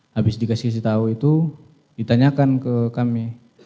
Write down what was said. habis dikasih tahu itu ditanyakan ke kami